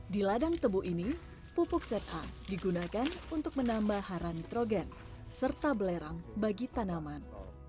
di ladang tebu ini pupuk za digunakan untuk menambah hara nitrogen serta belerang bagi tanaman